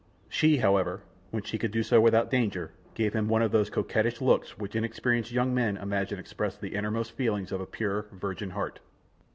She, however, when she could do so without danger, gave him one of those coquettish looks which inexperienced young men imagine express the innermost feelings of a pure, virgin heart.